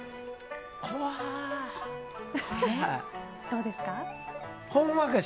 どうですか？